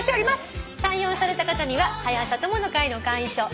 採用された方には「はや朝友の会」の会員証そして。